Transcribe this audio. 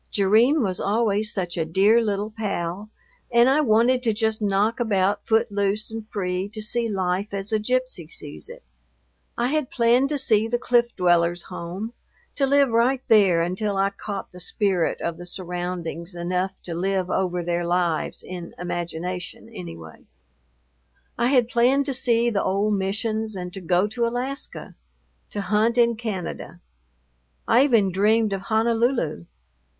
Jerrine was always such a dear little pal, and I wanted to just knock about foot loose and free to see life as a gypsy sees it. I had planned to see the Cliff Dwellers' home; to live right there until I caught the spirit of the surroundings enough to live over their lives in imagination anyway. I had planned to see the old missions and to go to Alaska; to hunt in Canada. I even dreamed of Honolulu.